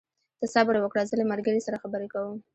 ته صبر وکړه، زه له ملګري سره خبرې کوم.